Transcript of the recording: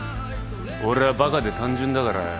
俺ぁバカで単純だからよ。